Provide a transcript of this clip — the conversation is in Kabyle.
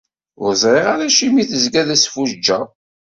Ur ẓriɣ ara acimi tezga d asfuǧǧeɣ?